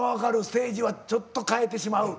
ステージはちょっと変えてしまう。